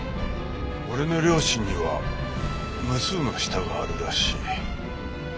「俺の良心には無数の舌があるらしい」。